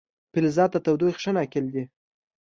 فلزات د تودوخې ښه ناقل دي.